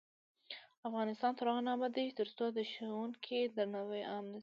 افغانستان تر هغو نه ابادیږي، ترڅو د ښوونکي درناوی عام نشي.